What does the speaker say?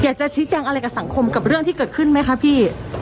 อยากจะชี้แจงอะไรกับสังคมกับเรื่องที่เกิดขึ้นไหมคะพี่